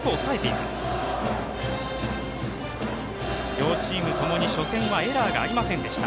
両チームともに初戦はエラーがありませんでした。